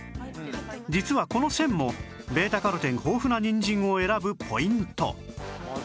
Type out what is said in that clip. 実はこの線も β− カロテン豊富なにんじんを選ぶポイント